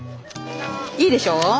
いいでしょ。